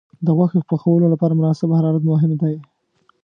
د غوښې پخولو لپاره مناسب حرارت مهم دی.